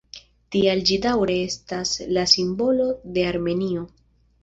Tial ĝi daŭre estas la simbolo de Armenio.